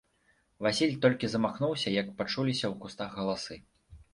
Васіль толькі замахнуўся, як пачуліся ў кустах галасы.